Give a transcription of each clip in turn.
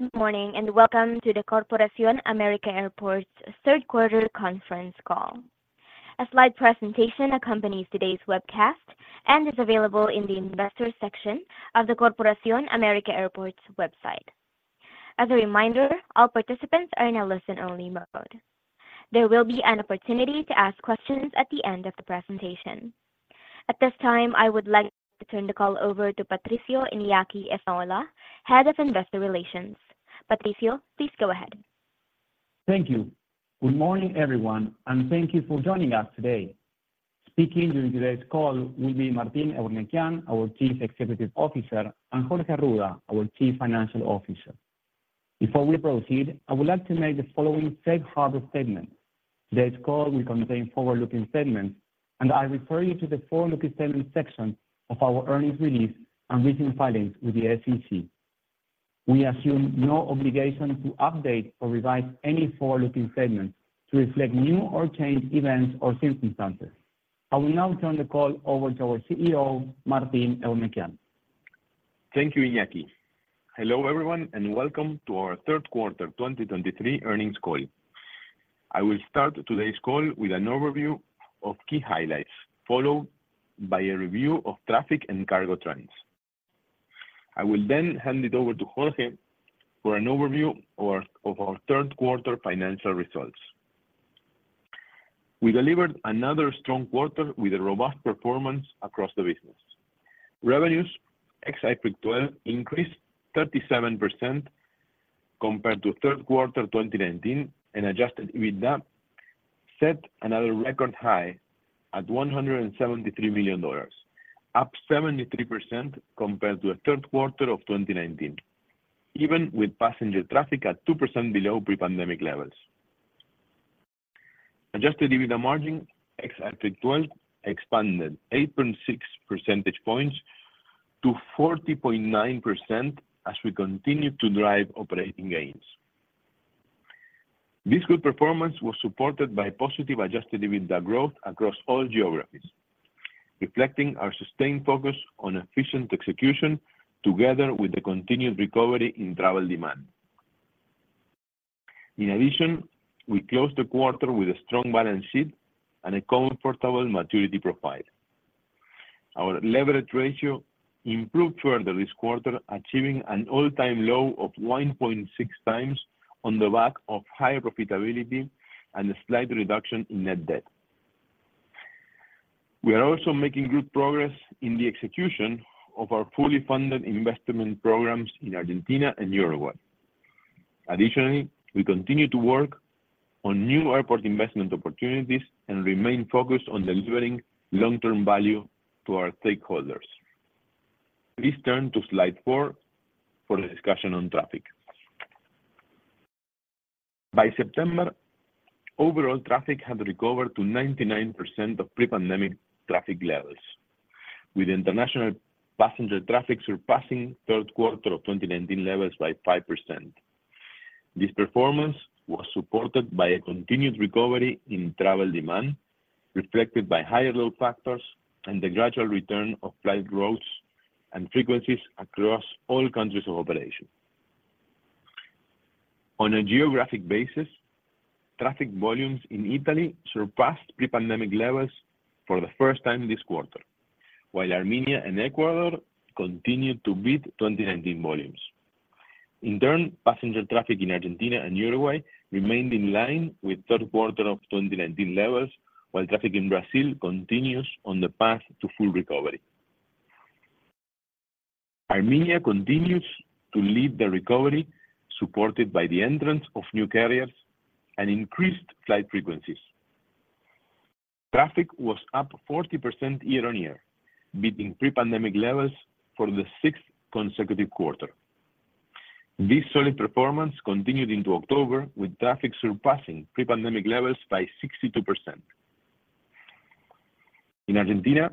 Good morning, and welcome to the Corporación América Airports third quarter conference call. A slide presentation accompanies today's webcast and is available in the Investors section of the Corporación América Airports website. As a reminder, all participants are in a listen-only mode. There will be an opportunity to ask questions at the end of the presentation. At this time, I would like to turn the call over to Patricio Iñaki Esnaola, Head of Investor Relations. Patricio, please go ahead. Thank you. Good morning, everyone, and thank you for joining us today. Speaking during today's call will be Martín Eurnekian, our Chief Executive Officer, and Jorge Arruda, our Chief Financial Officer. Before we proceed, I would like to make the following safe harbor statement: Today's call will contain forward-looking statements, and I refer you to the forward-looking statements section of our earnings release and recent filings with the SEC. We assume no obligation to update or revise any forward-looking statements to reflect new or changed events or circumstances. I will now turn the call over to our CEO, Martín Eurnekian. Thank you, Iñaki. Hello, everyone, and welcome to our third quarter 2023 earnings call. I will start today's call with an overview of key highlights, followed by a review of traffic and cargo trends. I will then hand it over to Jorge for an overview of our third quarter financial results. We delivered another strong quarter with a robust performance across the business. Revenues, ex-IFRIC 12, increased 37% compared to third quarter 2019, and Adjusted EBITDA set another record high at $173 million, up 73% compared to the third quarter of 2019, even with passenger traffic at 2% below pre-pandemic levels. Adjusted EBITDA margin, ex-IFRIC 12, expanded 8.6 percentage points to 40.9% as we continue to drive operating gains. This good performance was supported by positive Adjusted EBITDA growth across all geographies, reflecting our sustained focus on efficient execution together with the continued recovery in travel demand. In addition, we closed the quarter with a strong balance sheet and a comfortable maturity profile. Our leverage ratio improved further this quarter, achieving an all-time low of 1.6 times on the back of higher profitability and a slight reduction in net debt. We are also making good progress in the execution of our fully funded investment programs in Argentina and Uruguay. Additionally, we continue to work on new airport investment opportunities and remain focused on delivering long-term value to our stakeholders. Please turn to slide four for a discussion on traffic. By September, overall traffic had recovered to 99% of pre-pandemic traffic levels, with international passenger traffic surpassing third quarter of 2019 levels by 5%. This performance was supported by a continued recovery in travel demand, reflected by higher load factors and the gradual return of flight routes and frequencies across all countries of operation. On a geographic basis, traffic volumes in Italy surpassed pre-pandemic levels for the first time this quarter, while Armenia and Ecuador continued to beat 2019 volumes. In turn, passenger traffic in Argentina and Uruguay remained in line with third quarter of 2019 levels, while traffic in Brazil continues on the path to full recovery. Armenia continues to lead the recovery, supported by the entrance of new carriers and increased flight frequencies. Traffic was up 40% year-on-year, beating pre-pandemic levels for the sixth consecutive quarter. This solid performance continued into October, with traffic surpassing pre-pandemic levels by 62%. In Argentina,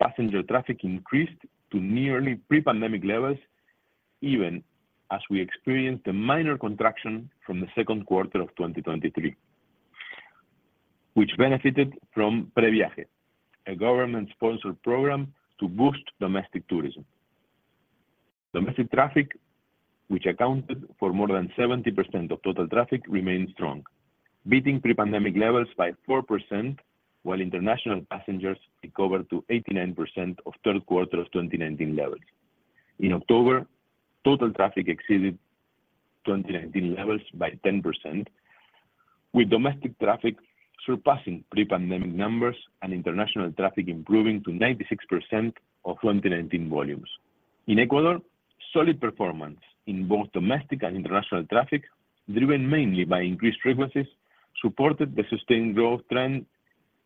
passenger traffic increased to nearly pre-pandemic levels, even as we experienced a minor contraction from the second quarter of 2023, which benefited from PreViaje, a government-sponsored program to boost domestic tourism. Domestic traffic, which accounted for more than 70% of total traffic, remained strong, beating pre-pandemic levels by 4%, while international passengers recovered to 89% of third quarter of 2019 levels. In October, total traffic exceeded 2019 levels by 10%, with domestic traffic surpassing pre-pandemic numbers and international traffic improving to 96% of 2019 volumes. In Ecuador, solid performance in both domestic and international traffic, driven mainly by increased frequencies, supported the sustained growth trend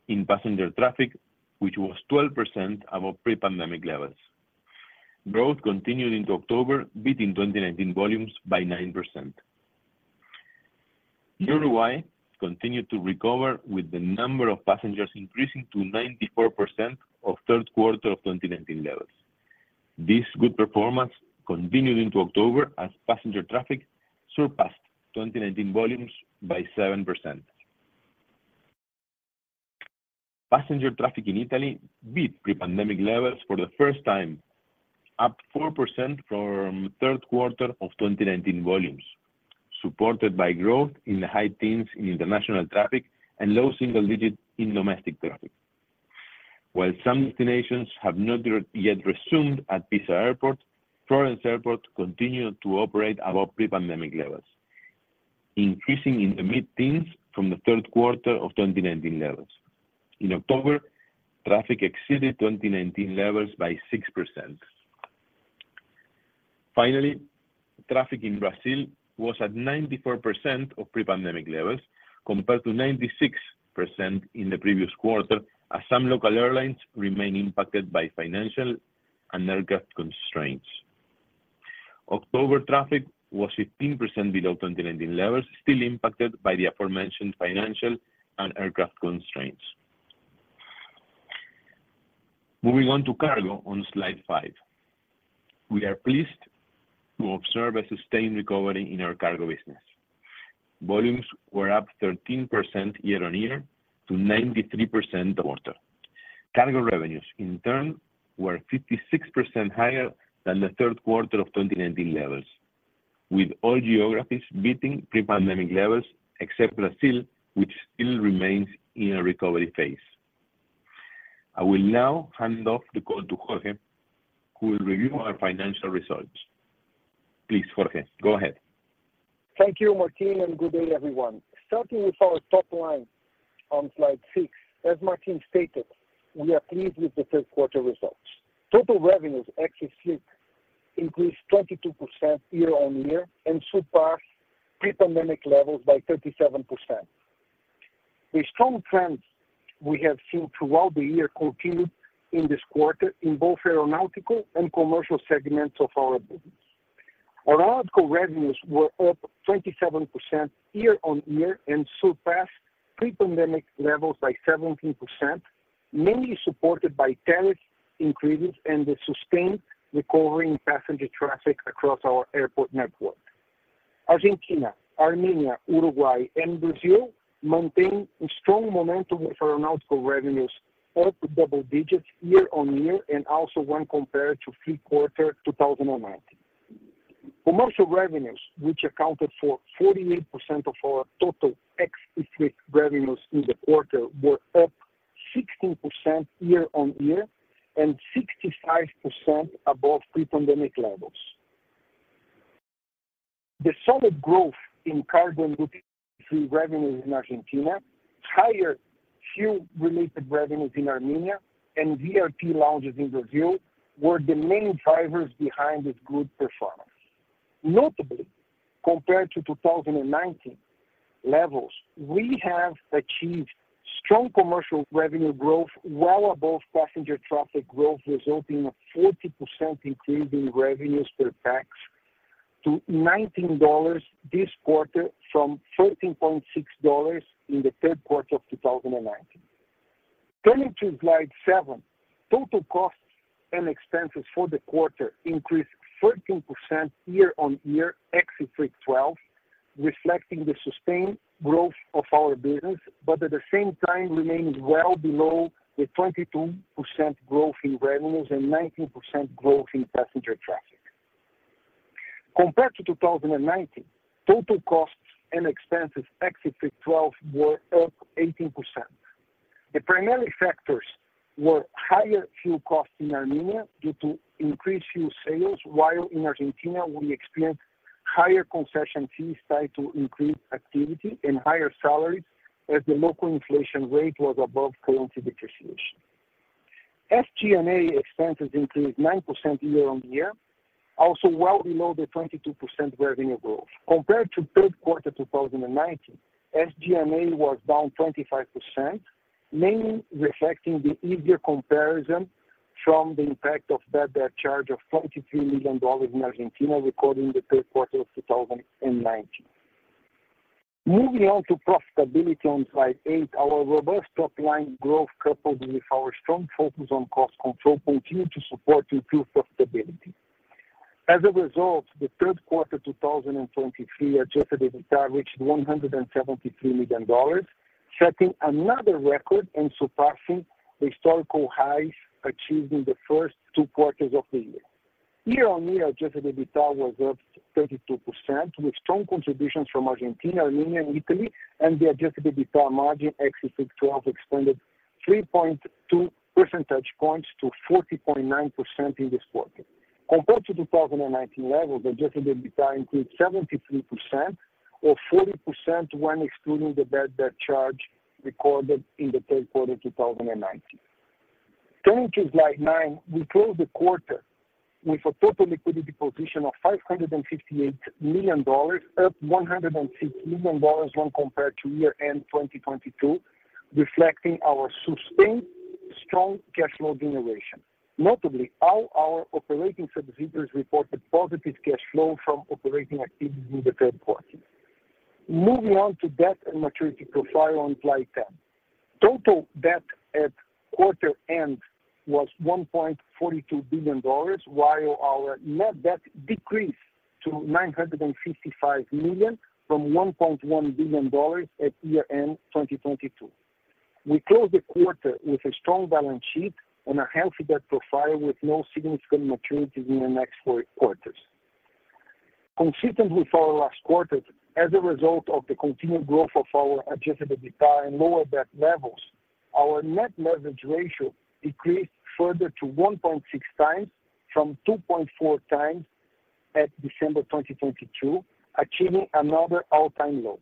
in passenger traffic, which was 12% above pre-pandemic levels. Growth continued into October, beating 2019 volumes by 9%. Uruguay continued to recover, with the number of passengers increasing to 94% of third quarter of 2019 levels. This good performance continued into October as passenger traffic surpassed 2019 volumes by 7%. Passenger traffic in Italy beat pre-pandemic levels for the first time, up 4% from third quarter of 2019 volumes, supported by growth in the high teens in international traffic and low single digits in domestic traffic. While some destinations have not yet resumed at Pisa Airport, Florence Airport continued to operate above pre-pandemic levels, increasing in the mid-teens from the third quarter of 2019 levels. In October, traffic exceeded 2019 levels by 6%. Finally, traffic in Brazil was at 94% of pre-pandemic levels, compared to 96% in the previous quarter, as some local airlines remain impacted by financial and aircraft constraints. October traffic was 15% below 2019 levels, still impacted by the aforementioned financial and aircraft constraints. Moving on to cargo on slide 5. We are pleased to observe a sustained recovery in our cargo business. Volumes were up 13% year-on-year to 93% quarter. Cargo revenues, in turn, were 56% higher than the third quarter of 2019 levels, with all geographies beating pre-pandemic levels, except Brazil, which still remains in a recovery phase. I will now hand off the call to Jorge, who will review our financial results. Please, Jorge, go ahead. Thank you, Martín, and good day, everyone. Starting with our top line on slide 6, as Martín stated, we are pleased with the third quarter results. Total revenues ex-IFRIC increased 22% year-on-year and surpassed pre-pandemic levels by 37%. The strong trends we have seen throughout the year continued in this quarter in both aeronautical and commercial segments of our business. Aeronautical revenues were up 27% year-on-year and surpassed pre-pandemic levels by 17%, mainly supported by tariff increases and the sustained recovery in passenger traffic across our airport network. Argentina, Armenia, Uruguay, and Brazil maintained a strong momentum with aeronautical revenues, up double digits year-on-year, and also when compared to third quarter 2019. Commercial revenues, which accounted for 48% of our total ex-IFRIC revenues in the quarter, were up 16% year-on-year and 65% above pre-pandemic levels. The solid growth in cargo and duty-free revenues in Argentina, higher fuel-related revenues in Armenia, and VIP lounges in Brazil were the main drivers behind this good performance. Notably, compared to 2019 levels, we have achieved strong commercial revenue growth, well above passenger traffic growth, resulting in a 40% increase in revenues per pax to $19 this quarter from $13.6 in the third quarter of 2019. Turning to slide 7, total costs and expenses for the quarter increased 13% year-on-year, ex-IFRIC 12, reflecting the sustained growth of our business, but at the same time remains well below the 22% growth in revenues and 19% growth in passenger traffic. Compared to 2019, total costs and expenses, ex-IFRIC 12, were up 18%. The primary factors were higher fuel costs in Armenia due to increased fuel sales, while in Argentina, we experienced higher concession fees tied to increased activity and higher salaries, as the local inflation rate was above currency depreciation. SG&A expenses increased 9% year-on-year, also well below the 22% revenue growth. Compared to third quarter 2019, SG&A was down 25%, mainly reflecting the easier comparison from the impact of bad debt charge of $43 million in Argentina recorded in the third quarter of 2019. Moving on to profitability on slide 8, our robust top-line growth, coupled with our strong focus on cost control, continued to support improved profitability. As a result, the third quarter 2023 adjusted EBITDA reached $173 million, setting another record and surpassing historical highs achieved in the first two quarters of the year. Year-on-year, adjusted EBITDA was up 32%, with strong contributions from Argentina, Armenia, and Italy, and the adjusted EBITDA margin, ex-IFRIC 12, expanded 3.2 percentage points to 40.9% in this quarter. Compared to 2019 levels, adjusted EBITDA increased 73% or 40% when excluding the bad debt charge recorded in the third quarter of 2019. Turning to slide 9, we closed the quarter with a total liquidity position of $558 million, up $160 million when compared to year-end 2022, reflecting our sustained strong cash flow generation. Notably, all our operating subsidiaries reported positive cash flow from operating activities in the third quarter. Moving on to debt and maturity profile on slide 10. Total debt at-... quarter end was $1.42 billion, while our net debt decreased to $955 million from $1.1 billion at year-end 2022. We closed the quarter with a strong balance sheet and a healthy debt profile, with no significant maturities in the next four quarters. Consistent with our last quarter, as a result of the continued growth of our Adjusted EBITDA and lower debt levels, our net leverage ratio decreased further to 1.6 times from 2.4 times at December 2022, achieving another all-time low.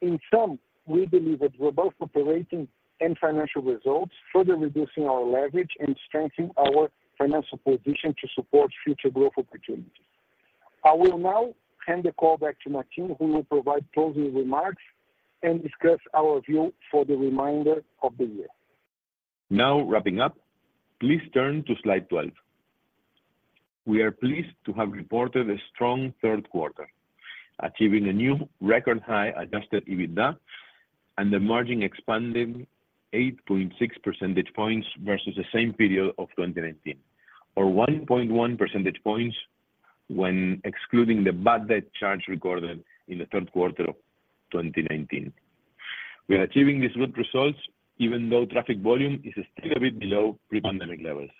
In sum, we believe that we're both operating and financial results, further reducing our leverage and strengthening our financial position to support future growth opportunities. I will now hand the call back to Martin, who will provide closing remarks and discuss our view for the remainder of the year. Now wrapping up, please turn to slide 12. We are pleased to have reported a strong third quarter, achieving a new record high Adjusted EBITDA and the margin expanding 8.6 percentage points versus the same period of 2019, or 1.1 percentage points when excluding the bad debt charge recorded in the third quarter of 2019. We are achieving these good results even though traffic volume is still a bit below pre-pandemic levels.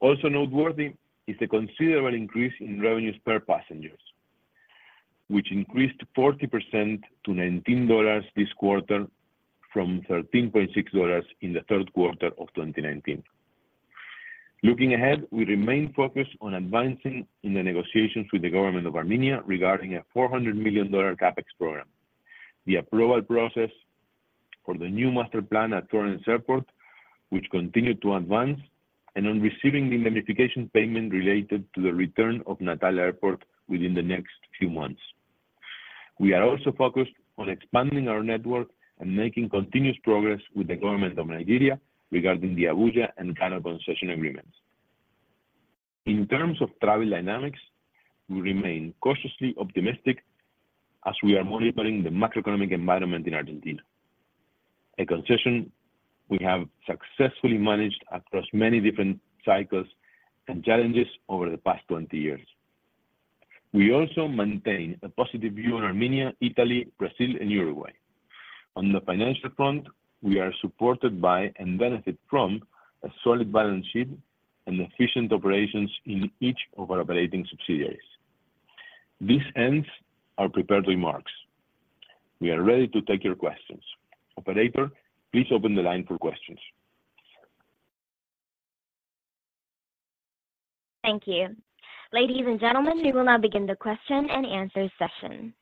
Also noteworthy is the considerable increase in revenues per passengers, which increased 40% to $19 this quarter from $13.6 in the third quarter of 2019. Looking ahead, we remain focused on advancing in the negotiations with the government of Armenia regarding a $400 million CapEx program, the approval process for the new master plan at Florence Airport, which continued to advance, and on receiving the indemnification payment related to the return of Natal Airport within the next few months. We are also focused on expanding our network and making continuous progress with the government of Nigeria regarding the Abuja and Kano concession agreements. In terms of travel dynamics, we remain cautiously optimistic as we are monitoring the macroeconomic environment in Argentina, a concession we have successfully managed across many different cycles and challenges over the past 20 years. We also maintain a positive view on Armenia, Italy, Brazil, and Uruguay. On the financial front, we are supported by, and benefit from, a solid balance sheet and efficient operations in each of our operating subsidiaries. This ends our prepared remarks. We are ready to take your questions. Operator, please open the line for questions. Thank you. Ladies and gentlemen, we will now begin the question and answer session.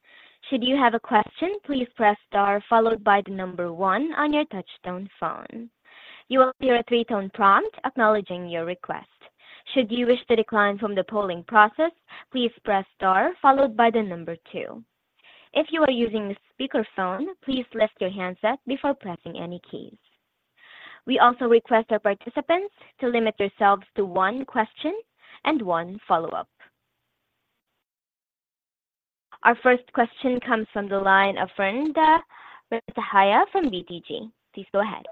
Should you have a question, please press star followed by the number one on your touchtone phone. You will hear a 3-tone prompt acknowledging your request. Should you wish to decline from the polling process, please press star followed by the number 2. If you are using a speakerphone, please lift your handset before pressing any keys. We also request our participants to limit yourselves to one question and one follow-up. Our first question comes from the line of Fernanda Portocarrero from BTG. Please go ahead.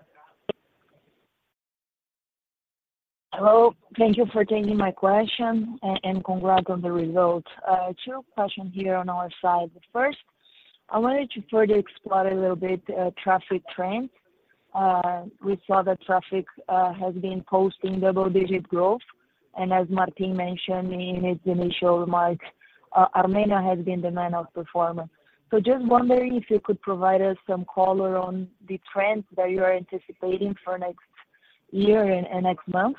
Hello, thank you for taking my question and, and congrats on the results. Two questions here on our side. But first, I wanted to further explore a little bit, traffic trends. We saw that traffic has been posting double-digit growth, and as Martín mentioned in his initial remarks, Armenia has been the main outperformer. So just wondering if you could provide us some color on the trends that you are anticipating for next year and, and next months.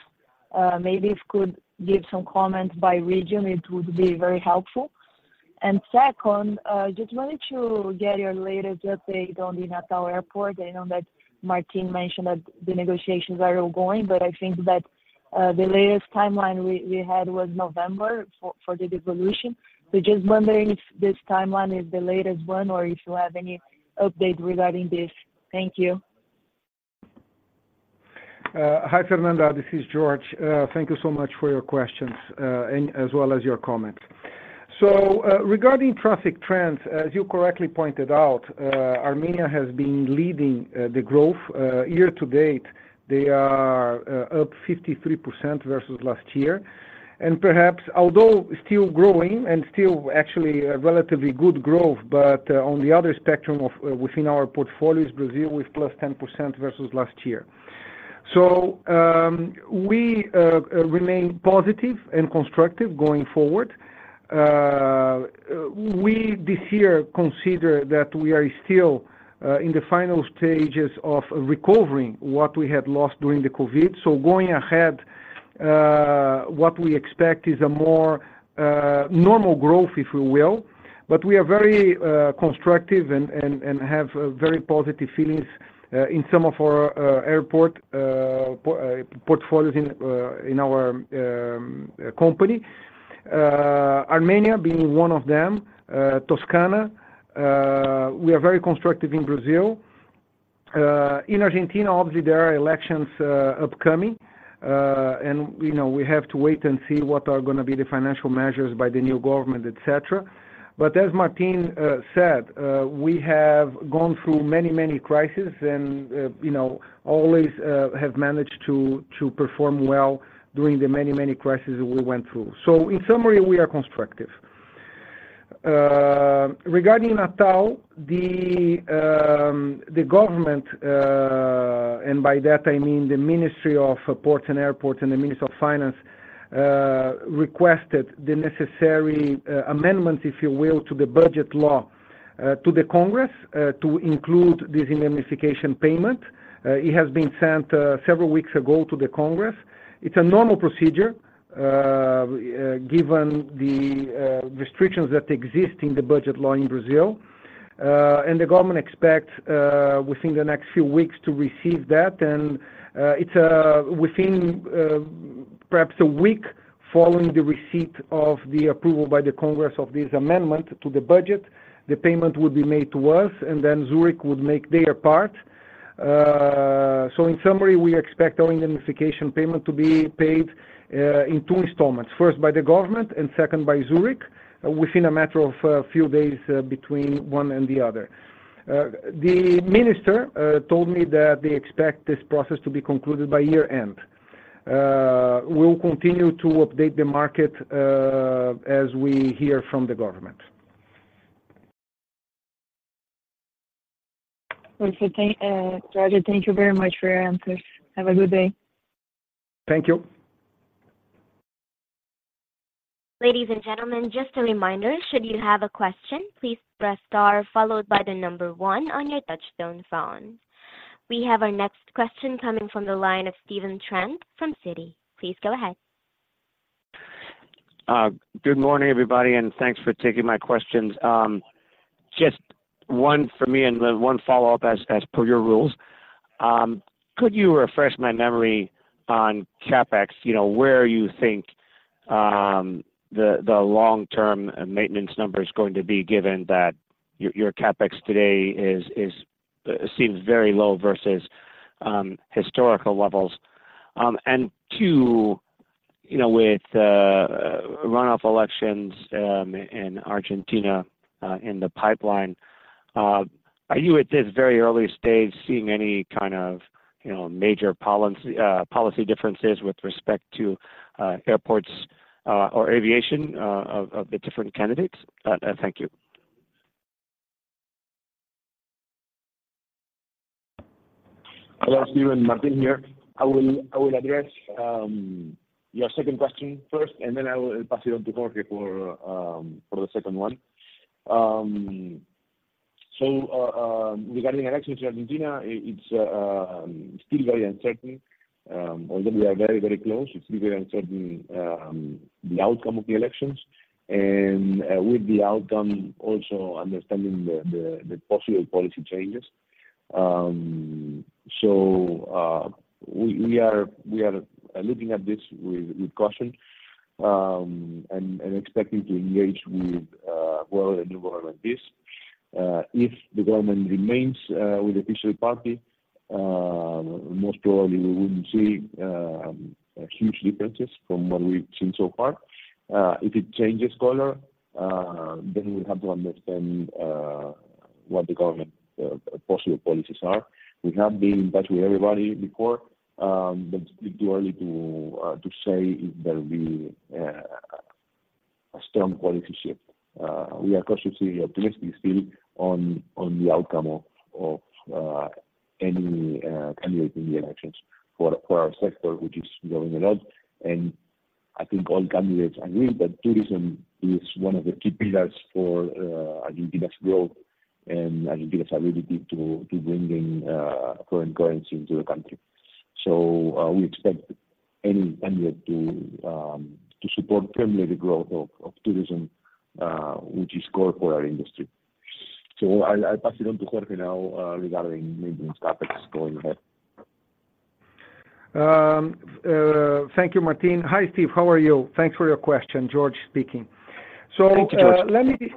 Maybe if you could give some comments by region, it would be very helpful. And second, just wanted to get your latest update on the Natal Airport. I know that Martín mentioned that the negotiations are ongoing, but I think that, the latest timeline we had was November for the devolution. Just wondering if this timeline is the latest one, or if you have any update regarding this? Thank you. Hi, Fernanda, this is Jorge. Thank you so much for your questions, and as well as your comments. So, regarding traffic trends, as you correctly pointed out, Armenia has been leading the growth. Year to date, they are up 53% versus last year. And perhaps, although still growing and still actually a relatively good growth, but on the other spectrum of within our portfolios, Brazil with +10% versus last year. So, we remain positive and constructive going forward. We, this year, consider that we are still in the final stages of recovering what we had lost during the COVID. So going ahead, what we expect is a more normal growth, if we will. But we are very constructive and have very positive feelings in some of our airport portfolios in our company. Armenia being one of them, Toscana, we are very constructive in Brazil. In Argentina, obviously, there are elections upcoming, and we know we have to wait and see what are gonna be the financial measures by the new government, et cetera. But as Martin said, we have gone through many, many crises and, you know, always have managed to perform well during the many, many crises that we went through. So in summary, we are constructive. Regarding Natal, the government, and by that I mean the Ministry of Ports and Airports and the Ministry of Finance, requested the necessary amendments, if you will, to the budget law, to the Congress, to include this indemnification payment. It has been sent several weeks ago to the Congress. It's a normal procedure, given the restrictions that exist in the budget law in Brazil. And the government expects, within the next few weeks to receive that, and it's within perhaps a week following the receipt of the approval by the Congress of this amendment to the budget, the payment would be made to us, and then Zurich would make their part. So in summary, we expect our indemnification payment to be paid in two installments, first by the government and second by Zurich, within a matter of a few days, between one and the other. The minister told me that they expect this process to be concluded by year-end. We'll continue to update the market as we hear from the government. Okay, Jorge, thank you very much for your answers. Have a good day. Thank you. Ladies and gentlemen, just a reminder, should you have a question, please press Star followed by the number one on your touch-tone phone. We have our next question coming from the line of Stephen Trent from Citi. Please go ahead. Good morning, everybody, and thanks for taking my questions. Just one for me and then one follow-up as per your rules. Could you refresh my memory on CapEx? You know, where you think the long-term maintenance number is going to be, given that your CapEx today seems very low versus historical levels. And two, you know, with runoff elections in Argentina in the pipeline, are you at this very early stage seeing any kind of, you know, major policy differences with respect to airports or aviation of the different candidates? Thank you. Hello, Steven, Martín here. I will address your second question first, and then I will pass it on to Jorge for the second one. So, regarding elections in Argentina, it's still very uncertain. Although we are very, very close, it's still very uncertain, the outcome of the elections and with the outcome, also understanding the possible policy changes. So, we are looking at this with caution and expecting to engage with well, a new government like this. If the government remains with the official party, most probably we wouldn't see huge differences from what we've seen so far. If it changes color, then we have to understand what the government possible policies are. We have been in touch with everybody before, but it's too early to say if there will be a strong policy shift. We are cautiously optimistic still on the outcome of any candidate in the elections for our sector, which is growing a lot. And I think all candidates agree that tourism is one of the key pillars for Argentina's growth and Argentina's ability to bring in foreign currency into the country. So, we expect any candidate to support firmly the growth of tourism, which is good for our industry. So I pass it on to Jorge now, regarding maybe CapEx going ahead. Thank you, Martín. Hi, Steve. How are you? Thanks for your question. Jorge speaking. Thank you, Jorge. So,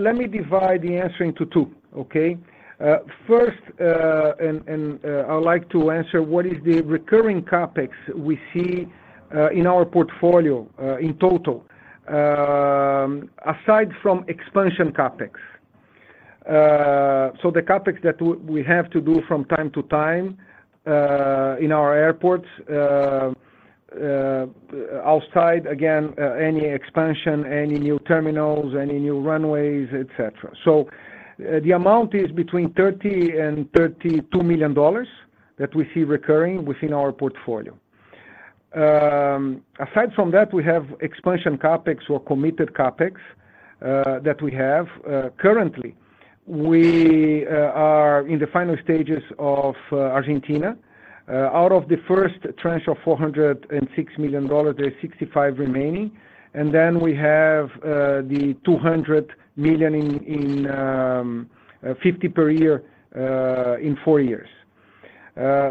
let me divide the answer into two, okay? First, I'd like to answer what is the recurring CapEx we see in our portfolio in total, aside from expansion CapEx. So the CapEx that we have to do from time to time in our airports, outside, again, any expansion, any new terminals, any new runways, et cetera. So the amount is between $30 million and $32 million that we see recurring within our portfolio. Aside from that, we have expansion CapEx or committed CapEx that we have. Currently, we are in the final stages of Argentina. Out of the first tranche of $406 million, there's $65 million remaining, and then we have the $200 million in $50 million per year in four years.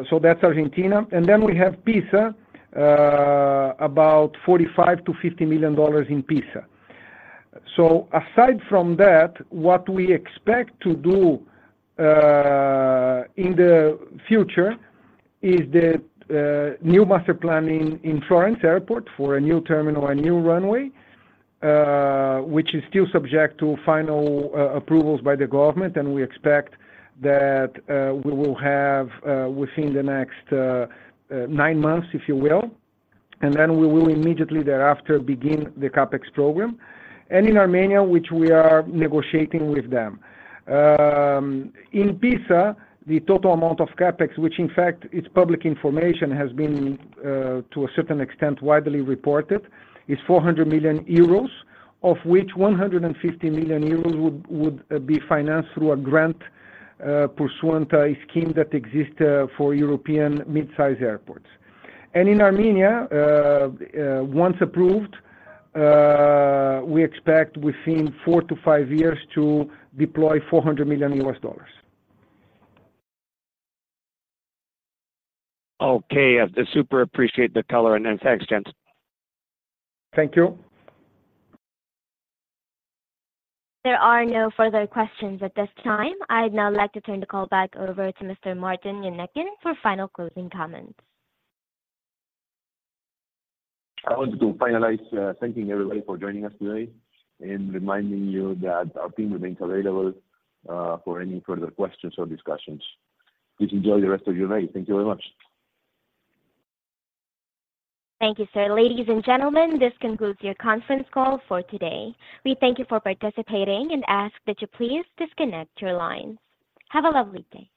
So that's Argentina. And then we have Pisa, about $45 million-$50 million in Pisa. So aside from that, what we expect to do in the future is the new master planning in Florence Airport for a new terminal, a new runway, which is still subject to final approvals by the government, and we expect that we will have within the next nine months, if you will, and then we will immediately thereafter begin the CapEx program, and in Armenia, which we are negotiating with them. In Pisa, the total amount of CapEx, which in fact, it's public information, has been, to a certain extent, widely reported, is 400 million euros, of which 150 million euros would be financed through a grant pursuant to a scheme that exists for European mid-sized airports. In Armenia, once approved, we expect within four to five years to deploy $400 million. Okay, I super appreciate the color, and thanks, gents. Thank you. There are no further questions at this time. I'd now like to turn the call back over to Mr. Martín Eurnekian for final closing comments. I want to finalize thanking everybody for joining us today and reminding you that our team remains available for any further questions or discussions. Please enjoy the rest of your day. Thank you very much. Thank you, sir. Ladies and gentlemen, this concludes your conference call for today. We thank you for participating and ask that you please disconnect your lines. Have a lovely day.